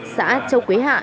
xã châu quế hạ